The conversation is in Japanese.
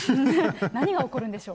何が起こるんでしょう？